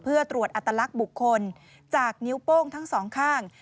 เพื่อตรวจอัตลักษณ์บุคคลจากนิ้วโป้งทั้งสองข้าง